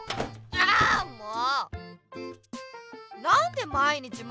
あもう！